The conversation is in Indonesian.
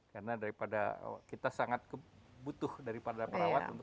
karena kita sangat butuh daripada perawat untuk langsung